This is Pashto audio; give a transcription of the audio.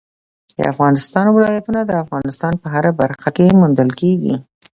د افغانستان ولايتونه د افغانستان په هره برخه کې موندل کېږي.